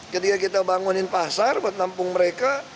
ketika kita bangunin pasar buat nampung mereka